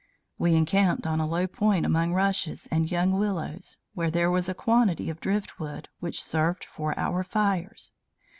We encamped on a low point among rushes and young willows, where there was a quantity of driftwood, which served for our fires.